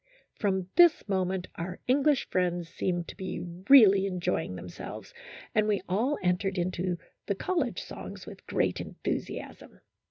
From this moment our English friends seemed to be really enjoying themselves, and we all entered into the college songs with great enthusiasm.